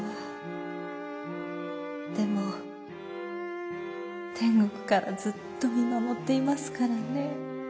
でもてんごくからずっとみまもっていますからね」。